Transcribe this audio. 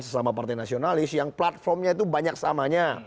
sesama partai nasionalis yang platformnya itu banyak samanya